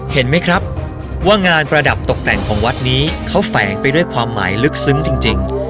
เห็นไหมครับว่างานประดับตกแต่งของวัดนี้เขาแฝงไปด้วยความหมายลึกซึ้งจริง